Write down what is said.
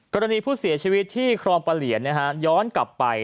กรณีผู้เสียชีวิตที่ครองปะเหลียนย้อนกลับไป